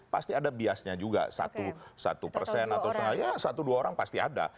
pasti ada biasnya juga satu persen atau satu dua orang pasti ada